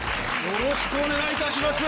よろしくお願いします。